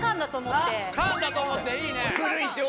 カーンだと思っていいね。